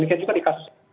mungkin juga dikasus dua